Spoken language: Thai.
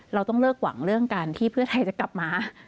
เราต้องเลิกหวังเรื่องการที่เพื่อไทยจะกลับมา